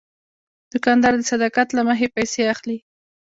دوکاندار د صداقت له مخې پیسې اخلي.